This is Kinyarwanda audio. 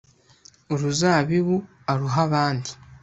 uruzabibu aruhe abandi